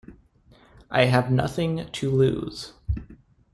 I have nothing to lose.